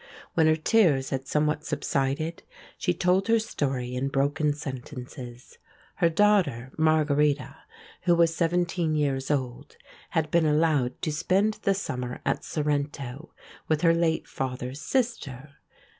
When her tears had somewhat subsided she told her story in broken sentences. Her daughter, Margherita, who was seventeen years old, had been allowed to spend the summer at Sorrento with her late father's sister.